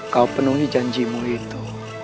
kau penuhi janjimu itu